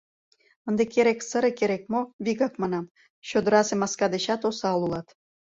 Ынде керек сыре, керек-мо — вигак манам: чодырасе маска дечат осал улат...